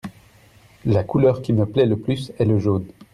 la couleur qui me plait le plus est le jaune.